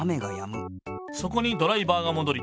そこにドライバーがもどり。